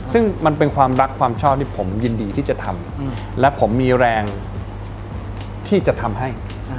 ซึ่งมันเป็นความรักความชอบที่ผมยินดีที่จะทำและผมมีแรงที่จะทำให้